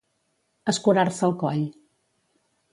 Escurar-se el coll.